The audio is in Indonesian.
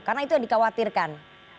karena itu yang dikhawatirkan